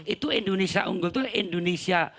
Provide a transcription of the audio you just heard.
itu indonesia unggul itu indonesia